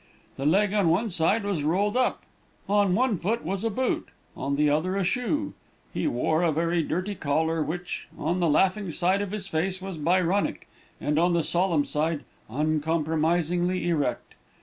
The leg on one side was rolled up. On one foot was a boot, on the other a shoe. He wore a very dirty collar, which, on the laughing side of his face was Byronic, and on the solemn side, uncompromisingly erect.